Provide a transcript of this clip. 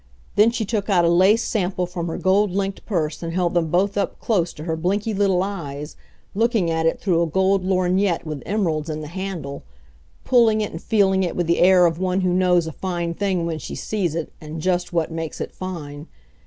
Then she took out a lace sample from her gold linked purse and held them both up close to her blinky little eyes, looking at it through a gold lorgnette with emeralds in the handle; pulling it and feeling it with the air of one who knows a fine thing when she sees it, and just what makes it fine.